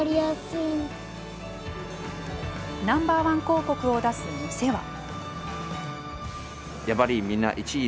Ｎｏ．１広告を出す店は？